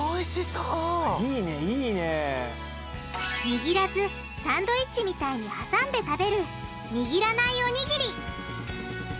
にぎらずサンドイッチみたいに挟んで食べる「にぎらないおにぎり」